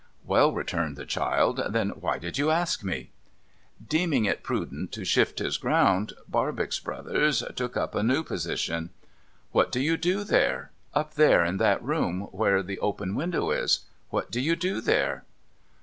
' Well,' returned the child, ' then why did you ask me ?' Deeming it prudent to shift his ground, Barbox Brothers took up a new position. ' What do you do there ? Up there in that room where the open window is. What do you do there